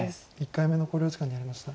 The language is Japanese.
１回目の考慮時間に入りました。